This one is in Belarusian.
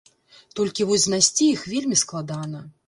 Толькі вось знайсці іх вельмі складана.